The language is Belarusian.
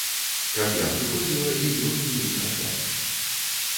Каб я прыходзіла і ён мне іх аддасць.